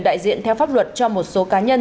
đại diện theo pháp luật cho một số cá nhân